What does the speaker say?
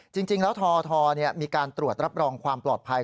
จริงแล้วททมีการตรวจรับรองความปลอดภัย